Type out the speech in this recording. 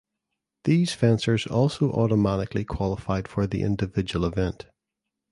These fencers also automatically qualified for the individual event.